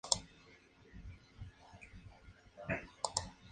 El código no indica la calidad de la grabación.